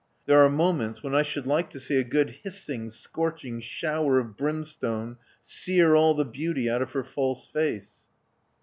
There are moments when I should like to see a good hissing, scorching shower of brimstone sear all the beauty out of her false face."